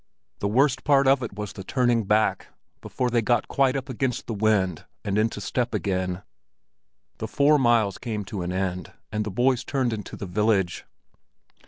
The worst part of it was the turning back, before they got quite up against the wind and into step again. The four miles came to an end, and the boys turned into the village.